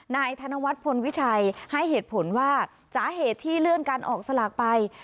นายธนวัฒน์พลวิชัยให้เหตุผลว่าสาเหตุที่เลื่อนการออกสลากไป